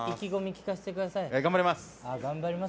頑張ります！